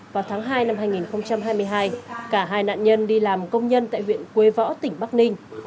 vào tháng hai năm hai nghìn hai mươi hai cả hai nạn nhân đi làm công nhân tại huyện quế võ tỉnh bắc ninh